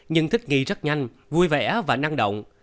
nhưng thích nghi rất nhanh vui vẻ và năng động